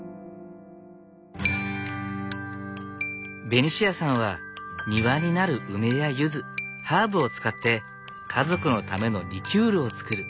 ベニシアさんは庭になる梅やゆずハーブを使って家族のためのリキュールをつくる。